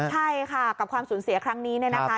ใช่ค่ะกับความสูญเสียครั้งนี้เนี่ยนะคะ